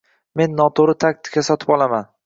Men noto'g'ri taktika sotib olaman